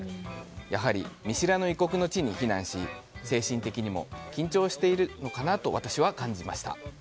やはり、見知らぬ異国の地に避難し精神的にも緊張しているのかなと私は感じました。